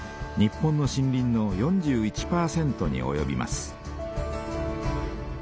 日本の森林の４１％におよびます。